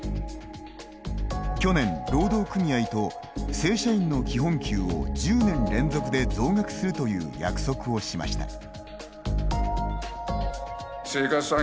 去年、労働組合と正社員の基本給を１０年連続で増額するという約束をしました。